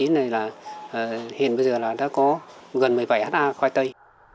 hai nghìn một mươi chín này là hiện bây giờ là đã có gần một mươi bảy ha khoai tây